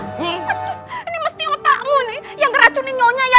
ini mesti otakmu nih yang ngeracunin nyonya ya